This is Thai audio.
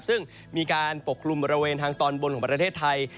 ซึ่งมีการปกคลุมบริเวณทางตอนบนของประเทศไทย